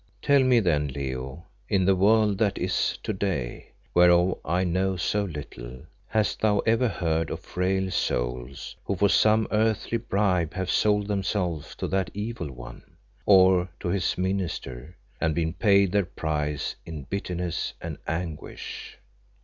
Tell me, then, Leo, in the world that is to day, whereof I know so little, hast thou ever heard of frail souls who for some earthly bribe have sold themselves to that evil one, or to his minister, and been paid their price in bitterness and anguish?"